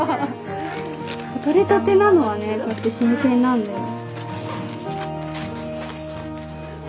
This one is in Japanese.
とれたてなのはねこうやって新鮮なんだよ。